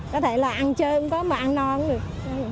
có thể là ăn chơi cũng có mà ăn no cũng được